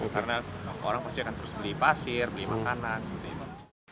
karena orang pasti akan terus beli pasir beli makanan seperti itu